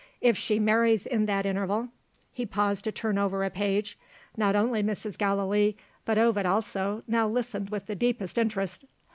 "If she marries in that interval " He paused to turn over a page. Not only Mrs. Gallilee, but Ovid also, now listened with the deepest interest.